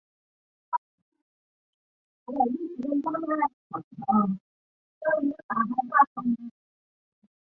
拟褐圆盾介壳虫为盾介壳虫科褐圆盾介壳虫属下的一个种。